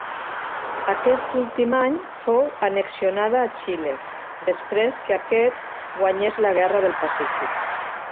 Aquest últim any fou annexionada a Xile, després que aquest guanyés la Guerra del Pacífic.